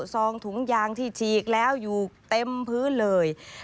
ซองถุงยางที่ฉีกแล้วอยู่เต็มพื้นเลย